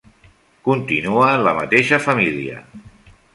Continua en la mateixa família.